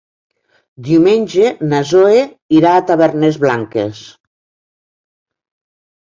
Diumenge na Zoè irà a Tavernes Blanques.